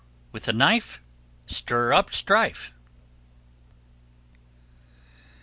Stir with a knife, Stir up strife.